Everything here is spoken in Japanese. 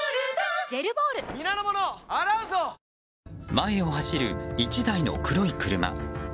前を走る１台の黒い車。